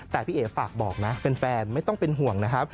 แต่พี่เอ๋ฝากบอกนะแฟนไม่ต้องเป็นห่วงนะครับ